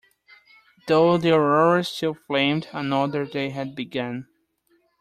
Though the aurora still flamed, another day had begun.